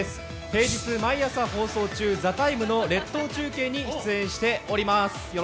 平日毎朝放送中「ＴＨＥＴＩＭＥ，」の列島中継に出演しております。